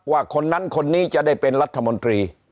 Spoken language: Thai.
คนนั้นคนนี้จะได้เป็นรัฐมนตรี